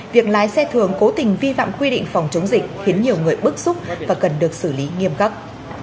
việc lái xe thường cố tình vi phạm quy định phòng chống dịch khiến nhiều người bức xúc và cần được xử lý nghiêm khắc